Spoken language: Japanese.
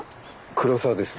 黒沢です。